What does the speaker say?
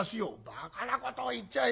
「バカなことを言っちゃいけない。